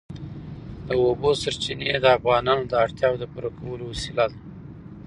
د اوبو سرچینې د افغانانو د اړتیاوو د پوره کولو وسیله ده.